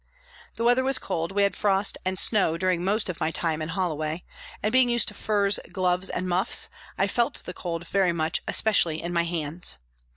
The weather was cold, we had frost and snow, during most of my time in Holloway, and being used to furs, gloves and muffs, I felt the cold very much especially in my hands.